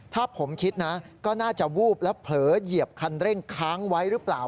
ถ้าผมคิดนะก็น่าจะวูบแล้วเผลอเหยียบคันเร่งค้างไว้หรือเปล่า